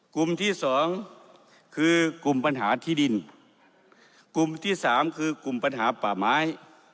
กลุ่มที่สองคือกลุ่มปัญหาที่ดินกลุ่มที่สามคือกลุ่มปัญหาป่าไม้